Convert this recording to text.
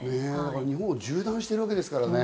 日本縦断しているわけですからね。